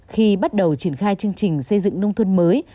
khi bắt đầu triển khai chương trình xây dựng nông thôn mới